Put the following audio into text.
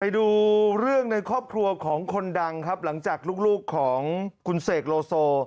ดูเรื่องในครอบครัวของคนดังครับหลังจากลูกของคุณเสกโลโซ